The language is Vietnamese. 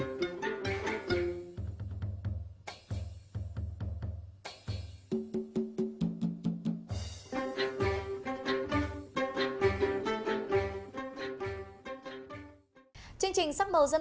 chương trình sắc màu dân tộc kỳ này cũng xin được tạm dừng tại đây